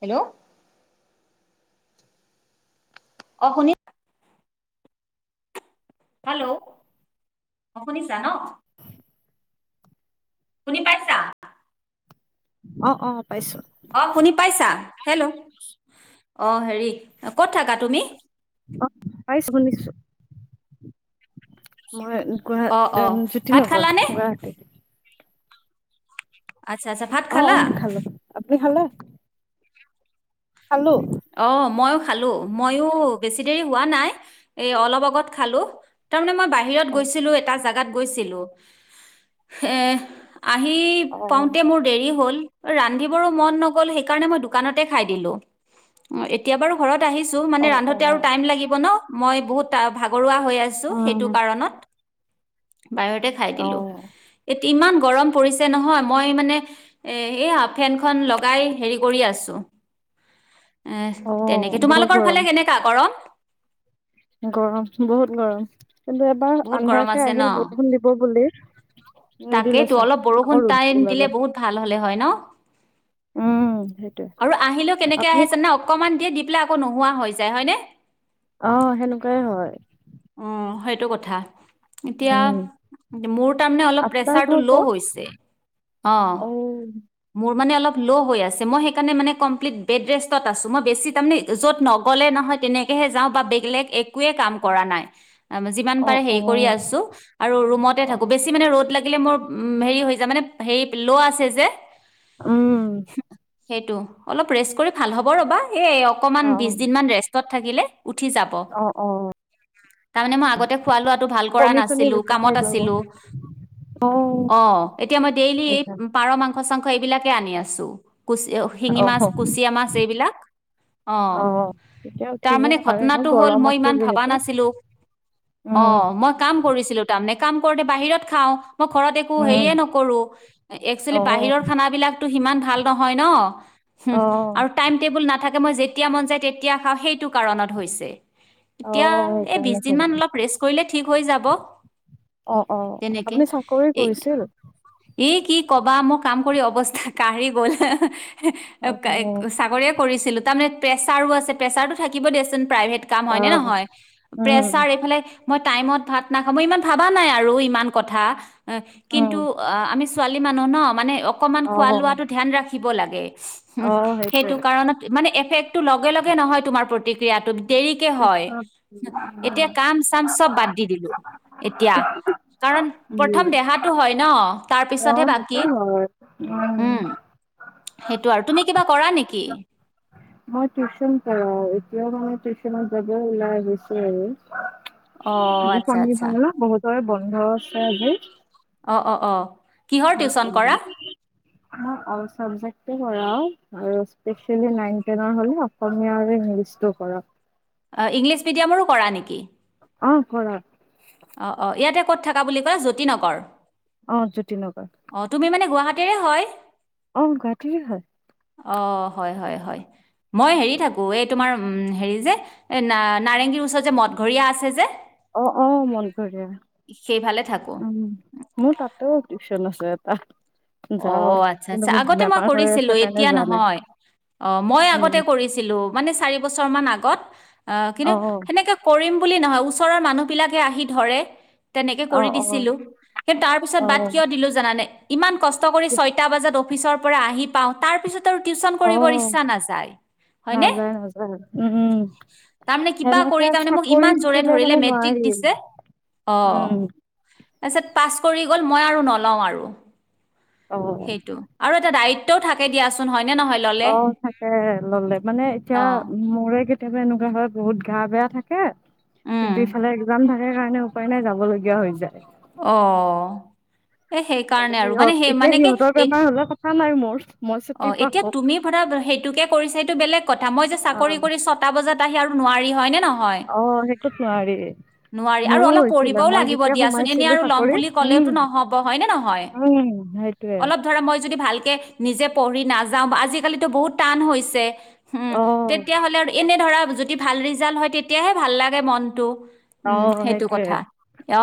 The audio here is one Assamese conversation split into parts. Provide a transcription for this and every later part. হেল্ল'। অ উঠোনী। হেল্ল'। অ শুনিছা ন। শুনি পাইছা? অ অ। পাইছো অ শুনি পাইছা? হেল্ল', অ হেৰি ক'ত থাকা তুমি? অ পাইছো শুনিছো। মই গুৱাহ অ অ জ্যোতি ভাত নগৰ খালানে গুৱাহাটীত। আচ্ছা আচ্ছা ভাত অ অ খালা খালে আপুনি খালে। খালো। অ ময়ো খালো মইও বেছি দেৰি হোৱা নাই এ অলপ আগত খালো তাৰমানে মই বাহিৰত অ গৈছিলো এটা জাগ গাত গৈছিলো এ আহি অ পাওঁতে মোৰ দেৰি হ'ল ৰান্ধিবৰো মন নগল সেইকাৰণে মই দোকানতে খাই দিলো। অ এতিয়া বাৰু ঘৰত আহিছো অ মানে অ ৰান্ধোতে আৰু টাইম লাগিব ন। মই বহুত ত ভাগৰুৱা হৈ আছো উম সেইটো কাৰণত বাহিৰতে খাই অ দিলো। ইমান গৰম পৰিছে নহয় মই মানে এ এই ফেনখন লগাই হেৰি কৰি আছো। আহ অ তেনেকে বহুত তোমালোকৰ গৰম ফালে কেনেককা গ গৰম বহুত গৰম। কিন্তু এবাৰ বহুত গৰম আন্ধাৰ হে আছে ন আহিল বৰষুণ দিব বুলি নিদিলে তাকেইতো চোন অলপ বৰষুণ আকৌ ৰদ টাইম দিলে ওললে। বহুত ভাল হলে হয় ন সেইটোৱে আৰু আহিলেও কেনেকে আপুনি আহে জানা অকমান দিয়ে দি পেলাই আকৌ নোহোৱা হৈ যায় হয়নে। আহ সেনেকুৱাই হয়। অ সেইটো কথা এতিয়া উম মোৰ তাৰমানে অলপ আপোনাৰ প্ৰেচাৰটো ঘৰ ল' ক'ত হৈছে অ। মোৰ মানে আলপ ল হৈছে মই সেই কাৰণে মানে কমপিলিট বেটৰেছত আছো মই বেছি তাৰ মানে য়ত নগলে নহয় তেনেকেহে যাও বেলেগ একোৱেই কাম কৰা নাই। যিমান অ পাৰে অ হেৰি কৰি আছো আৰু ৰুমতে অ থাকো বেছি মানে ৰ'দ লাগ ল মোৰ উ হেৰি হৈ যা মানে হে ল আছে যে উম সেইটো অলপ ৰেষ্ট কৰি ভাল হ'ব ৰ'বা এ অকনমান অ বিশ দিন মান ৰেষ্ট তাত থাকিলে উঠিয়াব অ অ অ তাৰ মানে আগতে খোৱা লোৱাটো ভাল কৰা কণী চনী নাছিলো বেছি খাই কামত যাব। আছিলো অ এতিয়া মই ডেলি এ সেইকাৰণে পাৰ মাংস অচ [unintelligible] সেইবিলাকে আনি আছো। হিংঙি মাছ অ', কুচিয়া মাছ এই বিলাক অ তেতিয়া তাৰ উঠিব মানে আৰু এনে ঘটনাটো হ'ল গৰম মই আছে ভবা যিহেতু। নাছিলোঁ অ উম, মই কাম কৰিছিলো তাৰ মানে কাম কৰোতে বাহিৰত খাওঁ মই ঘৰত একো উম, হেয়ে নকৰো একচুৱেলি অ', বাহিৰৰ বিলাকো সিমান ভাল নহয় ন উম অ', আৰু টাইম টেবুল নাথাকে। মই যেতিয়া মন যায় তেতিয়া খাওঁ সেইটো কাৰণত হৈছে। অ এতিয়া এ বিশ সেইকাৰণে দিন চাগে। মান অলপ ৰেষ্ট কৰিলে ঠিক হৈ যাব। অ অ তেনেকে আপুনি চাকৰি এই কৰিছিল। এই কি ক'বা মোক কাম কৰি অৱস্থা কাঢ়ি গ'ল অ', চাকৰিয়ে কৰিছিলো। তাৰমানে প্ৰেছাৰো আছে প্ৰেছাৰটো থাকিব দিয়া চোন প্ৰভেট কাম হয় নে অ', নহয় উম পেচাৰ এই ফালে মই টাইমত ভাত নাখওঁ মই ইমান ভাবা নাই আৰু ইমান কথা উম কিন্তু আমি ছোৱালী মানুহ ন মানে অকণমান খোৱা অ', লোৱাটো ধ্যান ৰাখিব লাগে। দে অ উম সেইটোৱে। সেইটো কাৰণত মানে এফেক্ট টো লগে লগে নহয় তোমাৰ প্ৰতিক্ৰিয়াটো দেৰিকে হয় পিছত এতিয়া কাম চাম চব বাদ দি দিলো এতিয়া কাৰণ উম, প্ৰথম দেহাটো হয় ন তাৰ পিছতহে অ', সেইটো বাকী হয়। উম সেইটো আৰু তুমি কিবা কৰা নেকি? কি মই টিউচন প এতিয়াও মানে টিউশনত যাব ওলাইছ আৰু অ আচ্ছা আচ্ছা [unintelligible] [unintelligible] অ অ অ কিহৰ টিউচন কৰা? মই অল চাবজেক্ট ই কৰাও স্পোচিয়েল নাইন টেনৰ হলে, আৰু হ অসমীয়া আৰু ইংলিছ কৰাও। অ ইংলিছ মিডিয়ামৰো কৰা নেকি? অ কৰাও অ অ ইয়াতে ক'ত থাকা বুলি কয়? জ্যোতি নগৰ অ জ্যোতিনগৰ অ তুমি মানে গুৱাহাটী ৰে হয়। অ গুৱাহাটীৰে হয়। অ হয় হয় হয় মই হেৰি থাকো এই তোমাৰ উম হেৰি যে নাৰেংগীৰ ওচৰত যে মদঘৰীয়া আছে যে অ অ মন কৰি সেইফালে থাকো উ মোৰ তাতেও টিউচন আছে। তেটা অ আচ্ছা আচ্ছা আগতে মই হৈ আছে কৰিছিলো কাৰণে এতিয়া যোৱা নাই। নহয়। অ মই উম, আগতে কৰিছিলো। মানে চাৰি বছৰ মান আগত অ কিন্তু সেনেকে কৰিম বুলি নহয় ওচৰৰ মানুহ বিলাকে আহি ধৰে তেনেকে কৰি অ' অ' দিছিলো কিন্তু তাৰ পিছত বাদ অ' কিয় দিলো জানানে? ইমান কষ্ট কৰি ছয়টা বজাত অফিচৰ পৰা আহি পাওঁ তাৰ পিছত টিউচন কৰিব অ' ইচ্ছা নাযায়। হয়নে নাযায় নাযায় উম, তাৰমানে কিবা কৰি সেনেকে তাৰে মোক চাকৰি ইমান জৰে থাকিলে ধৰিলে মানে মেট্ৰিক নোৱাৰি। দিছে অ উম, তাৰপিছত পাছ কৰি গ'ল মই আৰু নলওঁ আৰু অ'। সেইটো আৰু এটা দায়িত্বও থাকে দিয়াচোন হয়। অ থাকে ললে মানে অ এতিয়া মোৰে কেতিয়াবা এনেকুৱা হয় বহুত গা বেয়া থাকে। উম কিন্তু ইফালে একজাল সেই কাৰণে উপায় নাই যাব লগগীয়া হৈ যায়। অ এ সেইকাৰণে আৰু মানে সেই সহঁত এতিয়া মানে কি সিহঁতৰ এ বেমাৰ হলে কথা নাই মোৰ মই অ ছুটি এতিয়া পাওঁ। তুমি সধা সেইটোকে কৰিছে। বেলেগ কথা মই যে চাকৰি অ', কৰি ছটা বজাত। সি আৰু নোৱাৰি হয় নে ন? হয় অ', সেইটোত নোৱাৰি নোৱাৰি আৰু মোৰো অলপ কৰিব হৈছিলে ও মই লাগিব যেতিয়া দিয়াচোন এনে সোমাইছিলো আৰু লম চাকৰিত বুলি কলে উম, তো হয় নে নহয় উম, সেইটোৱে অলপ ধৰা যদি মই ভাল নিজে পঢ়ি নাযাও আজিকালিতো বহুত টান হৈছে। উম অ', তেতিয়াহ'লে আৰু এনে ধৰা যদি ভাল ৰিজাল্ট হয় তেতিয়াহে ভাল লাগে মনটো। উম অ', সেইটো সেইটোৱে। কথা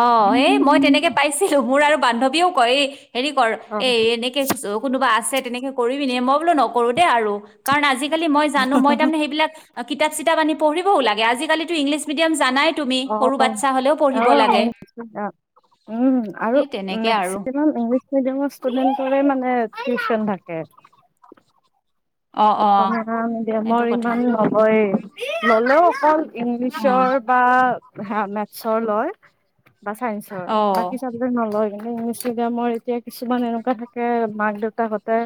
অ এ মই তেনেকে পাইছিলো, মোৰ আৰু বান্ধৱীও কৰে হেৰি কৰ এ অ', এনেকে কোনোবা আছে, [inaudible] কৰিবি নে? মই বোলো নকৰো দেই আৰু, কাৰণ আজি কালি মই জানো, মই তাৰমানে সেইবিলাক কিতাপ চিতাপ আনি পঢ়িবও লাগে আজিকালিতো ইংলিছ মিডিয়াম জানাই, তুমি সৰু বাচ্ছা হলেও অ' পঢ়িব লাগে অ' উম আৰু সেই তেনেকে আৰু মেক্সিমাম ইংলিছ মিডিয়ামৰ ষ্টুডেণ্টৰে মানে টিউচন থাকে। অ অ অসমীয়া সেইটো মিডিয়ামৰ কথা ইমান নহয়ে আৰু অকল উম ইংলিছৰ বা হা মেথছৰ লয়, বা চাইঞ্চৰ, অ', বাকী চাবজেক্ট নলয়। ইংলিছ মিডিয়ামৰ এতিয়া কিছুমান এনেকুৱা থাকে, মাক দেউতাহঁতে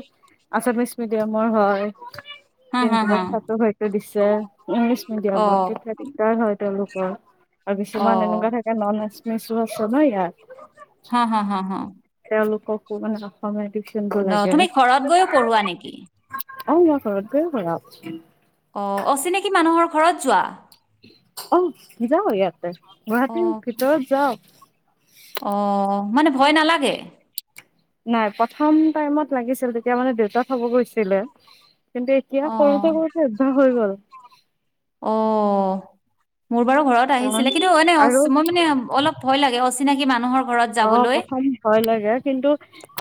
আছামিছ মিডিয়ামৰ হয়, [unintelligible] [unintelligible] যে হা, হা, হা, ইংলিছ মিডিয়ামত, অ', তেতিয়া দিকদাৰ হয়। তেওঁলোকৰ আৰু কিছুমান এনেকুৱা অ', থাকে ন চনো আছে ইয়াৰ [unintelligible] হা হা হা হা [unintelligible] ন লাগে তুমি ঘৰত গৈও পঢ়োৱা নেকি? অ' মই ঘৰত গৈও পঢ়াও। অঁ, অচিনাকি মানুহৰ ঘৰত যোৱা? অ' যাও ইয়াত। গুৱাহাটীৰ অ', ভিতৰত যাওঁ। অ' মানে ভয় নালাগে? নাই, প্ৰথম টাইমত লাগিছিল, তেতিয়া মানে দেউতা থ'ব গৈছিলে। কিন্তু এতিয়া অ', কৰোতে কৰোতে অভ্যাস হৈ গ'ল। [inaudible] অ'। মোৰ বাৰু ঘৰত কাৰণ আহিছিলে, কিন্তু এনে আৰু মই মানে অলপ ভয় লাগে, অচি চিনাকি মানুহৰ ঘৰত অ' যাবলৈ। প্ৰথম ভয় লাগে, কিন্তু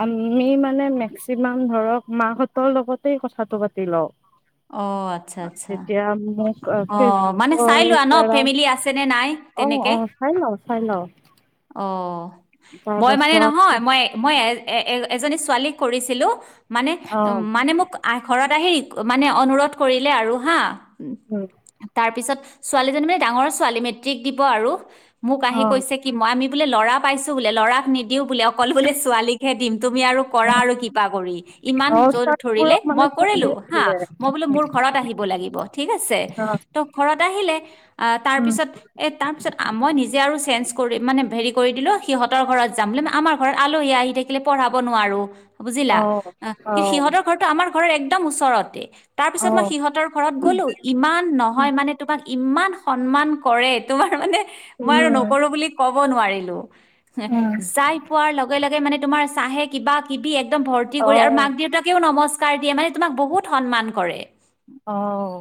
আম আমি মানে মেক্সিমাম ধৰক মাহঁতৰ লগতেই কথাটো পাতি লওঁ। অঁ আচ্ছা-আচ্ছা তেতিয়া মোক অঁ মানে ফেচবুকৰ চাই লোৱা ন, দ্বাৰা ফেমিলি আছে নে নাই, অ তেনেকে, অ চাই লওঁ চাই লওঁ অঁ। মই মানে নহয়, তাৰপাছত মই -মই এ এ-এ এজনী ছোৱালীক কৰিছিলোঁ। মানে অ উম মানে মোক আ ঘৰত [unintelligible] মানে অনুৰোধ কৰিলে আৰু হাঁ। উম, তাৰপিছত ছোৱালীজনী মানে ডাঙৰ ছোৱালী, মেট্ৰিক দিব আৰু। মোক অ আহি কৈছে, কি মই আমি বোলে ল'ৰা পাইছো বোলে, ল'ৰাক নি দিওঁ বোলে, অকল বোলে ছোৱালীক হে দিম। তুমি আৰু কৰা আৰু কিবা কৰি, ইমান অ জোৰ ধৰিলে চাৰবোৰক মানে মই ছোৱালী কৰিলোঁ। হা দিয়ে মই বোলো মোৰ ঘৰত আহিব লাগিব, ঠিক আছে, অ ত' ঘৰত আহিলে অঁ তাৰ উম পিছত এ তাৰপিছত মই নিজে আৰু চেঞ্জ কৰিম মানে ভেৰি কৰি দিলো সিহঁতৰ ঘৰত যাম বুলি আমাৰ ঘৰত আলহী আহি থাকিলে পঢ়াব নোৱাৰোঁ। বুজিলা, অ অঁ অ কিন্তু সিহঁতৰ ঘৰতটো আমাৰ ঘৰৰ এক একদম ওচৰত। তে তাৰ অ পিছত মই সিহঁতৰ ঘৰত গ'লো, ইমান নহয় মানে তোমাক ইমান সন্মান কৰে, তোমাৰ মানে মই আৰু উম নকৰো বুলি কওঁ। কব নোৱাৰিলোঁ। উম। যায় পোৱাৰ লগে লগে মানে তোমাৰ।। চাহে কিবা কিবি এক।। একদম ভৰ্তি কৰি আৰু অ', মাক দেউতাকেও নমস্কাৰ।। দিয়ে মানে তোমাক বহুত।। সন্মান কৰে। অহ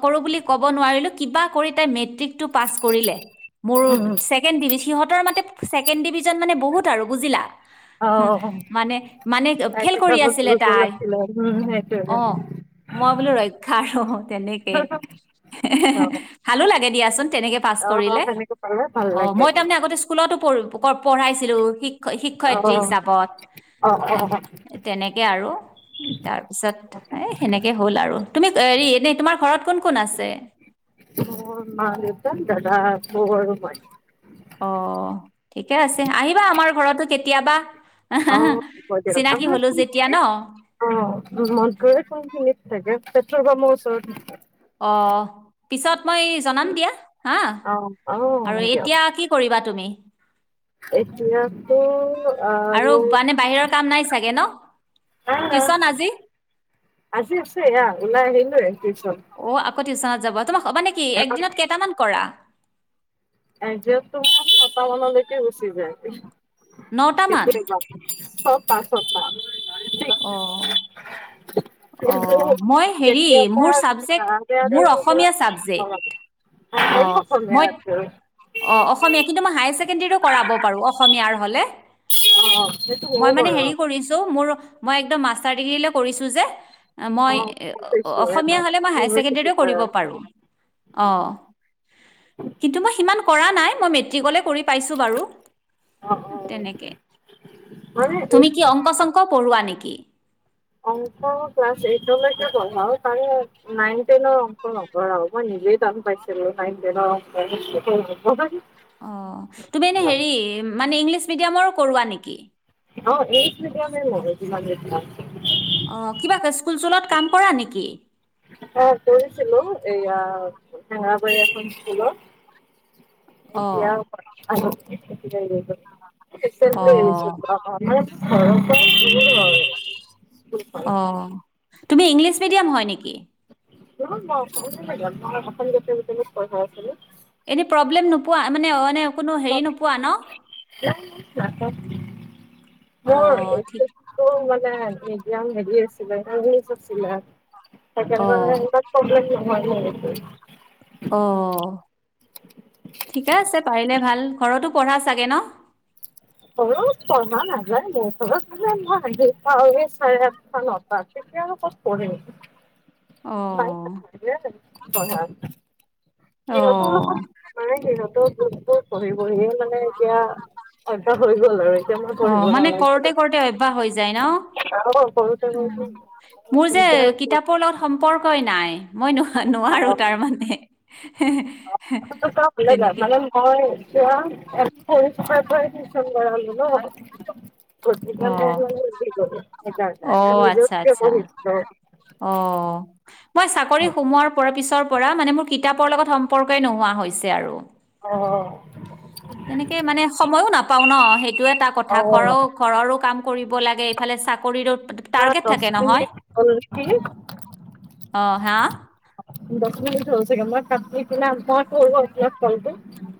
নকৰো বুলি ক'ব নোৱাৰিলো কিবা কৰি তাই মেট্ৰিক।। টো পাছ কৰিলে। মোৰ উম, চেকেণ্ডেৰী সিহঁতৰ মানে।। ছেকেণ্ড ডিভিজন মানে বহুত আৰু বুজিলা। অ', মানে মানে তাইক ফেইল কৰি অলপ আছিলে দুৰ্বল তাই।। আছিলে উম, সেইটোৱে অ মই বোলো ৰক্ষা তেনেকে অ'। ভালো লাগে দিয়া তেনেকে পাছ অ', কৰিলে সেনেকে পালে ভাল অ লাগে মই তাৰমানে আগতে স্কুলটো পঢ়ো পঢ়াইছিলো শিক শিক্ষয়িত্ৰী অ', হিচাপত অ', এ অ'। তেনেকে আৰু তাৰপিছত এই সেনেকৈ হ'ল আৰু তুমি হেৰি এনেই তোমাৰ ঘৰত কোন কোন আছে অ মাল যে দাদা বৌ আৰু মই অ ঠিকে আছে আহিবা আমাৰ ঘৰতো কেতিয়াবা অ হয় দিয়ক চিনাকি আপোনাৰ হলো যেতিয়া ন কোনখিনিত অ নলবাৰীৰ কোনখিনিত থাকে পেট্ৰল পামৰ ওচৰত অ পিছত মই জনাম দিয়া হা অ', আৰু অ', দিয়ক এতিয়া কি কৰিবা তুমি এতিয়াতো আৰু মানে বাহিৰৰ কাম নাই চাগে ন আহ টিউচন আজি আহ আজি আছে আহ ওলাই আহিলোৱে টিউচন অ আকৌ টিউচনত যাব তোমাক মানে কি একদিনত কেইটামান কৰা একজেকটো ছয়টা মানলৈকে গচি যায় নটামান সেইটোৱে ন [unintelligible] পাঁছ ছঁটা অ অ কিন্তু মই হেৰি কেতিয়াবা মোৰ চাবজেক্ট আগে আগে মোৰ অসমীয়া চাবজেক্ট অ অসমীয়া মই আছে অ অসমীয়া কিন্তু মই হায়াৰ ছেকেণ্ডৰীৰো কৰাব পাৰো অসমীয়াৰ হলে অ সেইটো মই ময়ো মানে হেৰি কৰোঁ। কৰিছো মোৰ মই একদম মাষ্টাৰ ডিগ্ৰী কৰিছো যে অ মই কৈছো এনে অসমীয়া হ'লে মই হায়াৰ ইউনিভাৰ্চিটিৰ ছেকেণ্ডৰীও কৰিব পৰা। পাৰোঁ অ কিন্তু মই সিমান কৰা নাই মই মেট্ৰিকলে কৰি পছো বাৰু অ অ তেনেকে মানে তুমি এইচ কি এছ অংক চংক পঢ়োৱা নেকি বাকী অংক ক্লাছ এইটলৈকে পঢ়াও তাৰে নাইন টেনৰ অংক নকঢ়ও মই নিজেই টান পাইছিলো নন টেনৰ অংক অ তুমি এনে হেৰি মানে ইংলিছ মিডিয়ামৰো কৰোৱা নেকি অ ইৎলিচ মডিয়া ম হমান অ কিবা স্কুল চুলত কাম কৰা নেকি অ কৰিছিলো এয়া হ বখন স্কুল অঁ এতিয়া জয় বগ বুজি পোৱা অঁ নাই ভইচতো ঘৰৰ পৰা ঘূৰিলোঁ অঁ স তুমি ইংলিছ মিডিয়াম হয় নেকি নহয় মই আছামিজ মিডিয়া এনে প্ৰব্লেম নপোৱা পোৱা মানে এনে কোনো হেৰি নোপোৱা ন তাৰপ অ এম অঁ ঠিক বাল একদম হেৰি আছিলেজ আছিলা বুজি অঁ পোৱা নাই ভইচতো হয় অ ঠিকে আছে পাৰিলে ভাল ঘৰতো পঢ়া চাগে ন অ পঢ়া নাযায় বছৰত মানলে মইি পা চাৰে আঠ মটাত তেতিয়া আৰু ক'ত পঢ অ গঢ়াৰ সিহঁতৰ অ', লগত মানে সিহঁতৰ গোটতো বহি বহিয়েই মানে এতিয়া হৈ গ'ল আৰু এতিয়া মই অ পঢ়িব মানে নালাগে কৰোতে কৰোতে অভ্যাস হৈ যায় ন আৰু সৰুতে সৰুতে মোৰ যে নতুনকৈ কিতাপৰ লগত সম্পৰ্কই নাই মই নো নোৱাৰো তাৰ মানে চাবা মানে মই এতিয়া ফাইভৰ এডমিশ্যন কৰালো ন গতিকে অ', মই কি কৰিম এতিয়া অ', মোৰ নিজেও আচ্ছা পঢ়িব আচ্ছা হৈছিলে অ'। মই চাকৰি সোমোৱাৰ পৰা পিছত পৰা মানে মোৰ কিতাপৰ লগত সম্পৰ্কই নোহোৱা হৈছে আৰু অ অ এইটো এটা কথা অ ঘৰৰ ঘৰৰো কাম কৰিব লাগে এইফালে চাকৰিৰো তোমাৰ টাৰ্গেট দহ থাকে নহয় মিনিট হ'ল নেকি অ হা দছ মিনিট হল ছাগে মই কাপোৰ কিনা মই ঘৰ গৈ কিনে ফোন কৰিম